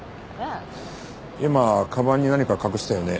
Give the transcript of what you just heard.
今かばんに何か隠したよね。